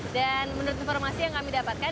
dan menurut informasi yang kami dapatkan